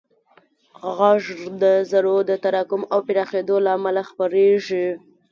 غږ د ذرّو د تراکم او پراخېدو له امله خپرېږي.